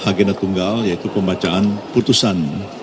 agenda tunggal yaitu pembacaan putusan